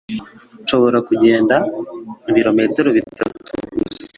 Nshobora kugenda ibirometero bitatu gusa.